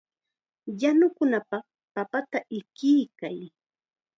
Yanukunapaq papata ikiykay.